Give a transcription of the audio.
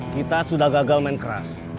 kita sudah gagal main keras